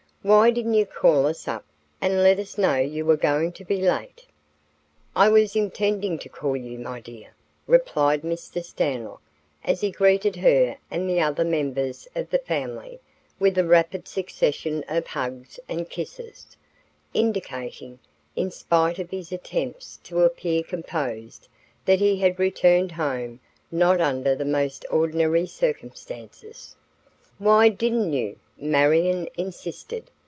Why didn't you call us up and let us know you were going to be late?" "I was intending to call you, my dear," replied Mr. Stanlock, as he greeted her and the other members of the family with a rapid succession of hugs and kisses, indicating, in spite of his attempts to appear composed, that he had returned home not under the most ordinary circumstances. "Why didn't you?" Marion insisted.